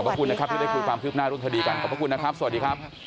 ขอบคุณนะครับที่ได้คุยความคืบหน้าเรื่องคดีกันขอบพระคุณนะครับสวัสดีครับ